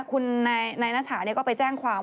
คุณนายณฐาก็ไปแจ้งความ